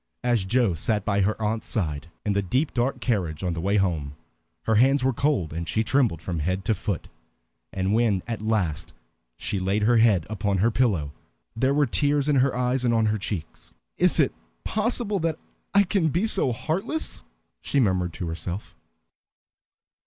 As Joe sat by her aunt's side in the deep dark carriage on the way home, her hands were cold and she trembled from head to foot. And when at last she laid her head upon her pillow there were tears in her eyes and on her cheeks. "Is it possible that I can be so heartless?" she murmured to herself.